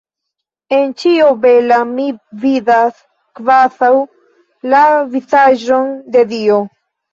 En ĉio bela mi vidas kvazaŭ la vizaĝon de Dio.